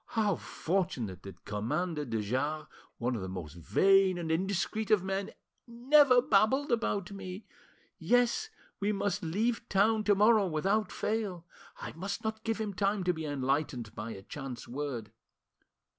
How fortunate that Commander de Jars, one of the most vain and indiscreet of men, never babbled about me! Yes, we must leave town to morrow without fail. I must not give him time to be enlightened by a chance word.